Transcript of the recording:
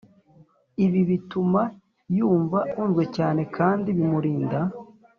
ibi bituma yumva akunzwe cyane kandi bimurinda